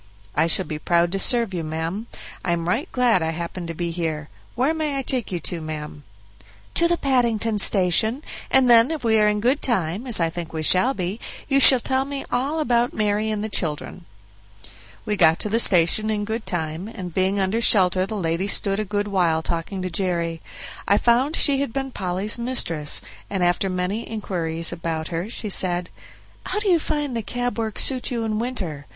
"I shall be proud to serve you, ma'am; I am right glad I happened to be here. Where may I take you to, ma'am?" "To the Paddington Station, and then if we are in good time, as I think we shall be, you shall tell me all about Mary and the children." We got to the station in good time, and being under shelter the lady stood a good while talking to Jerry. I found she had been Polly's mistress, and after many inquiries about her she said: "How do you find the cab work suit you in winter?